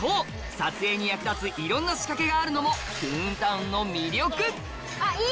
撮影に役立ついろんな仕掛けがあるのもトゥーンタウンの魅力いい！